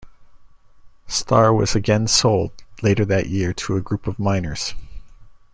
Star was again sold later that year to a group of miners.